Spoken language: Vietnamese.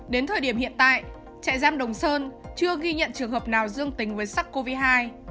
đến thời điểm hiện tại trại giam đồng sơn chưa ghi nhận trường hợp nào dương tính với sars cov hai